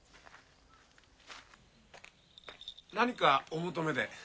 何かお求めで？